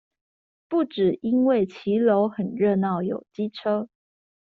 不只因為騎樓很熱鬧有機車